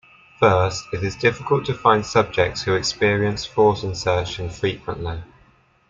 First, it is difficult to find subjects who experience thought insertion frequently.